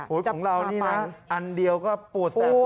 ของเรานี่นะอันเดียวก็ปวดแสบ